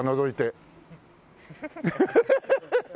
ハハハハ！